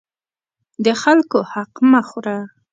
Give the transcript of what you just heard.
د خلکو حق مه خوره.